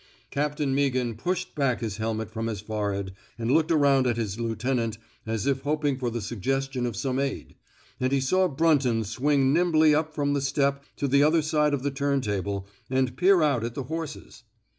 Captain Meaghan pushed back his helmet from his forehead, and looked around at his lieutenant as if hoping for the suggestion of some aid; and he saw Brunton swing nimbly up from the step to the other side of the turntable, and peer out at the horses.